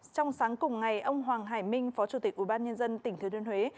trong sáng cùng ngày ông hoàng hải minh phó chủ tịch ubnd tỉnh thứ thuyên huế